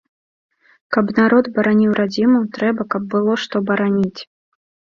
Каб народ бараніў радзіму, трэба, каб было што бараніць.